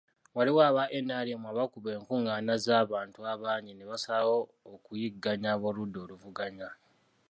Waliwo aba NRM abakuba enkung'aana z'abantu abangi ne basalawo okuyigganya ab'oludda oluvuganya.